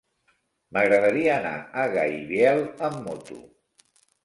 M'agradaria anar a Gaibiel amb moto.